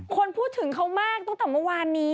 คนพูดถึงเขามากตั้งแต่วันนี้